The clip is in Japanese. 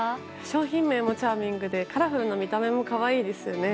商品名もチャーミングでカラフルな見た目も可愛いですね。